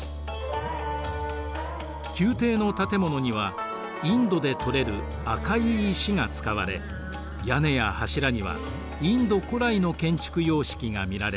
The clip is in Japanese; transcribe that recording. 宮廷の建物にはインドで採れる赤い石が使われ屋根や柱にはインド古来の建築様式が見られます。